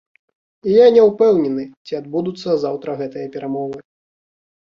І я не ўпэўнены, ці адбудуцца заўтра гэтыя перамовы.